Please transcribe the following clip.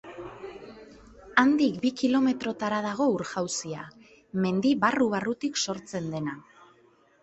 Handik bi kilometrora dago ur-jauzia, mendi barru-barrutik sortzen dena.